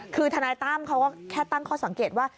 คือทนายตั้มเขาก็แค่ตั้งข้อสังเกตว่า